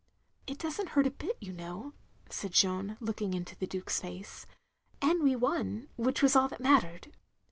" It does n't hurt a bit, you know, " said Jeanne, looking into the Duke's face, and we won, which was all that mattered.